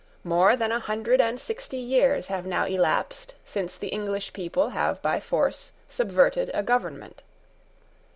More than a hundred and sixty years have now elapsed since the English people have by force subverted a government.